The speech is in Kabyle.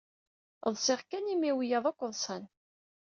Ḍsiɣ kan imi wiyaḍ akk ḍsan.